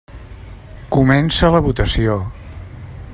Comença la votació.